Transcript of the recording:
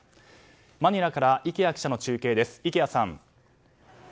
マニラから池谷記者の中継です。